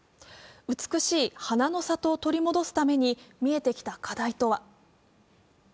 美しい花の里を取り戻すために見えてきた課題とは。